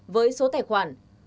với số tài khoản một trăm hai mươi tám